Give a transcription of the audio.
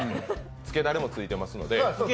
つけだれもついていますので。